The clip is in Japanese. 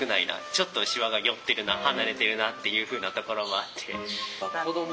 ちょっとしわが寄ってるな離れてるなというふうなところもあって。